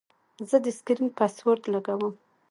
زه د سکرین پاسورډ لګوم.